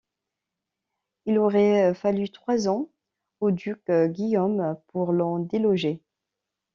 Il aurait fallu trois ans au duc Guillaume pour l'en déloger.